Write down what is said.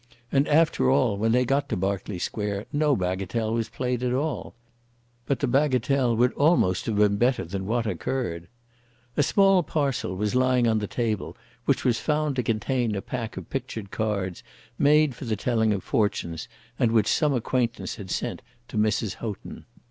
And, after all, when they got to Berkeley Square no bagatelle was played at all. But the bagatelle would almost have been better than what occurred. A small parcel was lying on the table which was found to contain a pack of pictured cards made for the telling of fortunes, and which some acquaintance had sent to Mrs. Houghton.